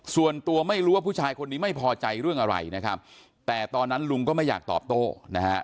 ส่วนตัวไม่รู้ว่าผู้ชายคนนี้ไม่พอใจเรื่องอะไรนะครับแต่ตอนนั้นลุงก็ไม่อยากตอบโต้นะฮะ